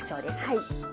はい。